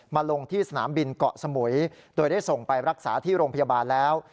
ลงที่สนามบินเกาะสมุยโดยได้ส่งไปรักษาที่โรงพยาบาลแล้ว